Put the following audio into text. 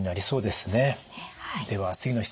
そうですねはい。